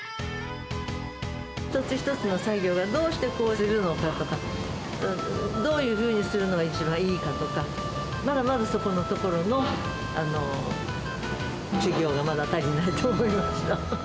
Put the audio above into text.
一つ一つの作業がどうしてこうするのか？とか、どういうふうにするのが一番いいかとか、まだまだそこのところの修業がまだ足りないと思いました。